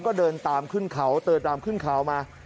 ก็เดินตามขึ้นเขาเดินตามขึ้นเขามา